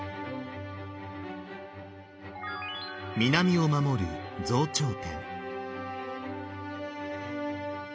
南を守る増長天。